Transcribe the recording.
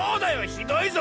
ひどいぞ！